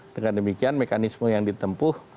dengan demikian mekanisme yang ditempuh